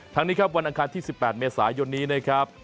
นี้ครับวันอังคารที่๑๘เมษายนนี้นะครับ